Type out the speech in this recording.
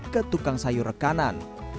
ke tukang sayur rekanan